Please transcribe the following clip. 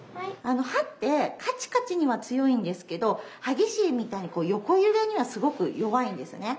歯ってカチカチには強いんですけど歯ぎしりみたいに横揺れにはすごく弱いんですね。